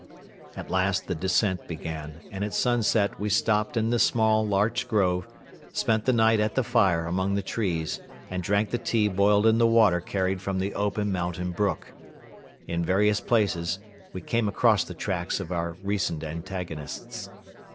At last the descent began and at sunset we stopped in the small larch grove, spent the night at the fire among the trees and drank the tea boiled in the water carried from the open mountain brook. In various places we came across the tracks of our recent antagonists.